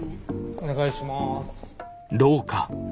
お願いします。